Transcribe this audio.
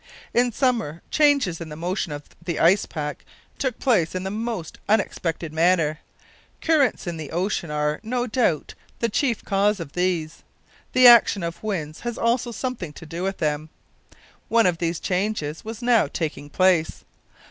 In summer, changes in the motions of the ice take place in the most unexpected manner. Currents in the ocean are, no doubt, the chief cause of these; the action of winds has also something to do with them. One of these changes was now taking place.